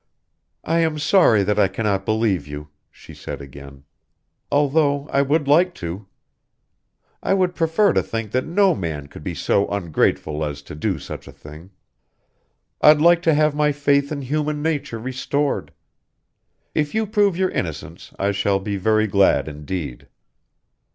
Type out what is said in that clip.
"I am sorry that I cannot believe you," she said again, "although I would like to. I would prefer to think that no man could be so ungrateful as to do such a thing. I'd like to have my faith in human nature restored. If you prove your innocence, I shall be very glad indeed!"